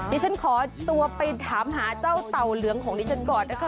ดิฉันขอตัวไปถามหาเจ้าเต่าเหลืองของดิฉันก่อนนะคะ